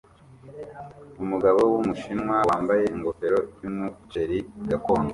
Umugabo wumushinwa wambaye ingofero yumuceri gakondo